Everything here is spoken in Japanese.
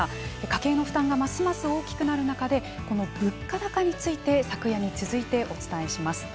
家計の負担がますます大きくなる中でこの物価高について昨夜に続いてお伝えします。